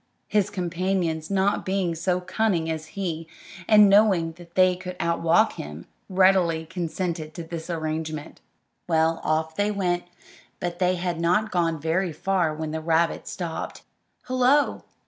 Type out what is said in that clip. His companions, not being so cunning as he, and knowing they could outwalk him, readily consented to this arrangement. Well, off they went; but they had not gone very far when the rabbit stopped. "Hullo!"